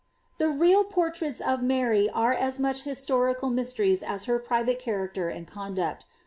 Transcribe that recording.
The real portraits of liiary are as much liistorical mysteries as her private character and conduct.